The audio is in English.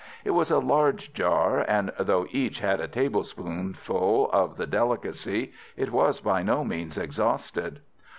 It was a large jar, and, though each had a tablespoonful of the delicacy, it was by no means exhausted.